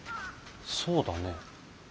そうだね。